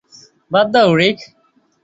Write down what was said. বাদ দাও, রিক।